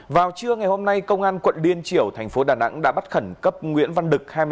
vào trưa ngày hôm nay công an quận liên triểu thành phố đà nẵng đã bắt khẩn cấp nguyễn văn đực